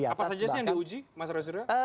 apa saja sih yang diuji mas rosirwan